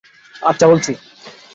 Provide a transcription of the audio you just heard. আচ্ছা, বলছি।